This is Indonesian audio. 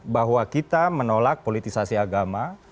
bahwa kita menolak politisasi agama